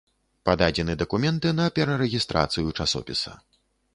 Пададзены дакументы на перарэгістрацыю часопіса.